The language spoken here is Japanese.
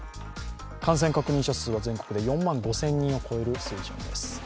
感染確認者数は全国で４万５０００人を超える水準です。